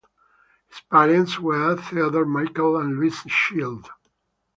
His parents were Theodor Michel and Luise Schild.